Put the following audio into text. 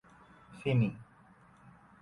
হেই, ফিনি।